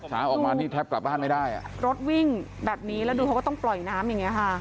เช้าออกมานี่แทบกลับบ้านไม่ได้อ่ะรถวิ่งแบบนี้แล้วดูเขาก็ต้องปล่อยน้ำอย่างเงี้ค่ะ